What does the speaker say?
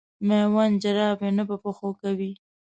مېوند جراپي نه په پښو کوي.